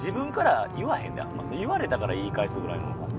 言われたから言い返すぐらいの感じ。